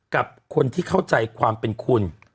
กับคนที่เข้าใจความเป็นคุณ